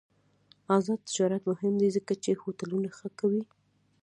آزاد تجارت مهم دی ځکه چې هوټلونه ښه کوي.